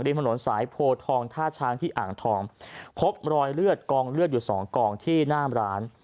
ถนนสายโพทองท่าช้างที่อ่างทองพบรอยเลือดกองเลือดอยู่สองกองที่หน้าร้าน